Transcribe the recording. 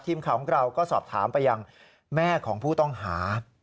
ทีมข่าวของเราก็สอบถามไปยังแม่ของผู้ต้องหา